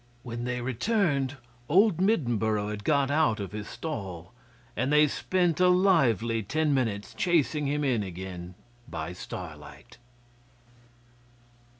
When they returned, old Middenboro had got out of his stall, and they spent a lively ten minutes chasing him in again by starlight.